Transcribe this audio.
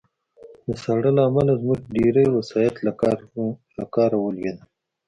د ساړه له امله زموږ ډېری وسایط له کار ولوېدل